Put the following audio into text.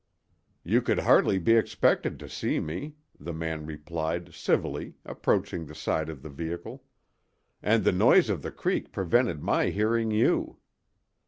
"You could hardly be expected to see me," the man replied, civilly, approaching the side of the vehicle; "and the noise of the creek prevented my hearing you."